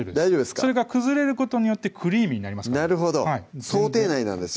それが崩れることによってクリーミーになりますから想定内なんですね